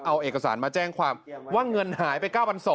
เอาเอกสารมาแจ้งความว่าเงินหายไป๙๒๐๐